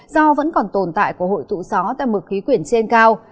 do vẫn còn tồn tại của hội tụ gió tại mực khí quyển trên cao